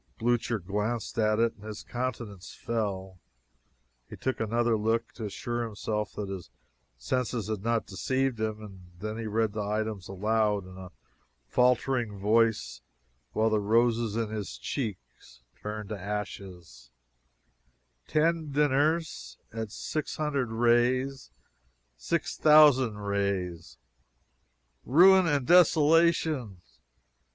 Blucher glanced at it and his countenance fell. He took another look to assure himself that his senses had not deceived him and then read the items aloud, in a faltering voice, while the roses in his cheeks turned to ashes: "'Ten dinners, at 600 reis, 6,000 reis!' Ruin and desolation!